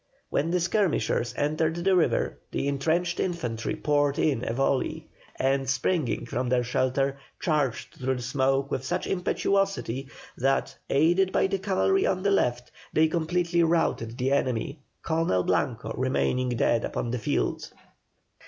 When the skirmishers entered the river, the entrenched infantry poured in a volley, and, springing from their shelter, charged through the smoke with such impetuosity that, aided by the cavalry on the left, they completely routed the enemy, Colonel Blanco remaining dead upon the field.